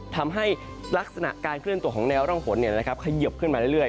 ทำให้ลักษณะการเคลื่อนตัวของแนวร่องฝนเขยิบขึ้นมาเรื่อย